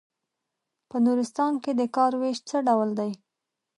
په نورستان کې د کار وېش څه ډول دی.